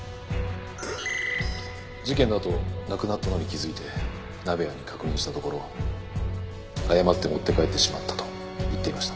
事件のあとなくなったのに気づいて鍋谷に確認したところ過って持って帰ってしまったと言っていました。